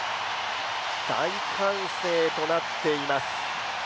大歓声となっています。